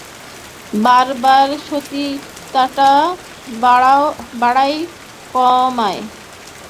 বার বার সলিতাটা বাড়ায় কমায়।